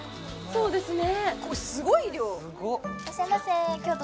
そうですね